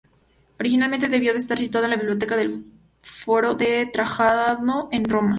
Originalmente debió de estar situada en la Biblioteca del Foro de Trajano en Roma.